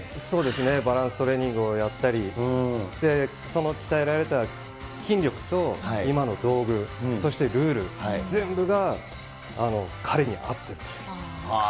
そうですね、バランストレーニングをやったり、その鍛えられた筋力と今の道具、そしてルール、全部が彼に合ってるんです。